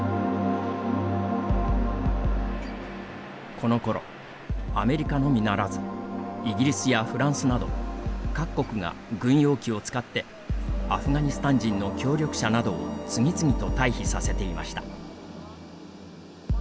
このころ、アメリカのみならずイギリスやフランスなど各国が軍用機を使ってアフガニスタン人の協力者などを次々と退避させていました。